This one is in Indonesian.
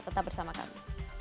tetap bersama kami